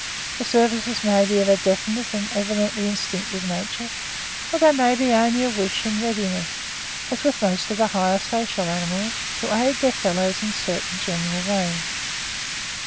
The services may be of a definite and evidently instinctive nature; or there may be only a wish and readiness, as with most of the higher social animals, to aid their fellows in certain general ways.